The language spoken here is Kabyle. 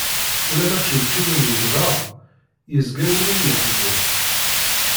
Ulamma ččewčiwen yegḍaḍ, yezga wul-iw yeḥzen.